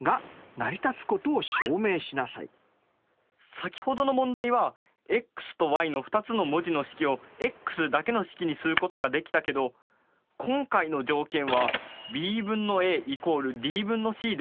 先ほどの問題はｘとｙの２つの文字の式をｘだけの式にすることができたけど今回の条件はｂ分のａ＝ｄ分のｃですから。